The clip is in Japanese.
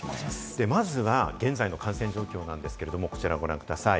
まずは現在の感染状況なんですけれども、こちらをご覧ください。